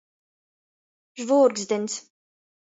Žvūrgzdyns.